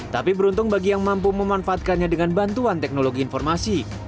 tapi beruntung bagi yang mampu memanfaatkannya dengan bantuan teknologi informasi